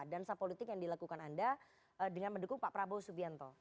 dansa politik yang dilakukan anda dengan mendukung pak prabowo subianto